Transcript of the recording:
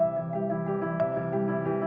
yang menjadi tempat awal warga tionghoa